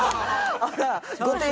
あら。